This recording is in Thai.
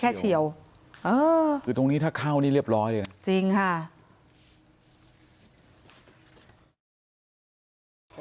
แค่เฉี่ยวตรงนี้ถ้าเข้านี่เรียบร้อยจริงค่ะ